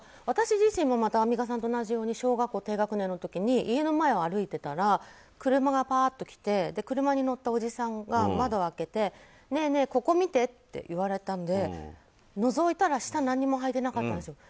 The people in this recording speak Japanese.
私自身もまたアンミカさんと同じように小学校低学年の時に家の前を歩いてたら車がパーッと来て車に乗ったおじさんが窓を開けてねえねえ、ここ見てって言われたのでのぞいたら下何もはいてなかったんです。